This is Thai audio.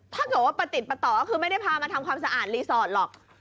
ถ้าเกิดว่าประติดประต่อก็คือไม่ได้พามาทำความสะอาดรีสอร์ทหรอก